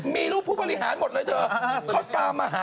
มีรูปผู้บริหารหมดเลยเธอ